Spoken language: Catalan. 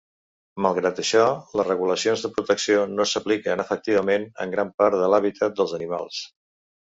Malgrat això, les regulacions de protecció no s'apliquen efectivament en gran part de l'hàbitat dels animals.